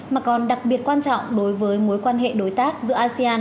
mối quan hệ đối tác giữa asean